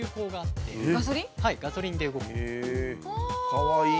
かわいい！